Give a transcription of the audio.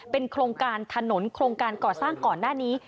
โครงการถนนโครงการก่อสร้างก่อนหน้านี้